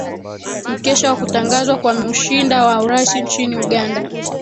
mkesha wa kutangazwa kwa mushinda wa urais nchini uganda